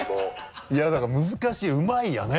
いや何か難しいうまいよね